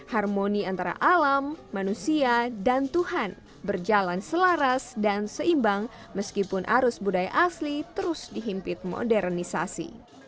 harmoni antara alam manusia dan tuhan berjalan selaras dan seimbang meskipun arus budaya asli terus dihimpit modernisasi